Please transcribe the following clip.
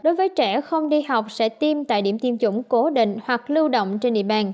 đối với trẻ không đi học sẽ tiêm tại điểm tiêm chủng cố định hoặc lưu động trên địa bàn